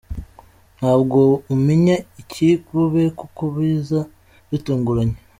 Ntabwo umenya ikiri bube kuko biza bitunguranye.